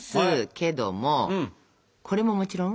けどもこれももちろん？